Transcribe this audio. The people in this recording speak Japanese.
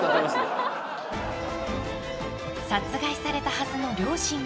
［殺害されたはずの両親が］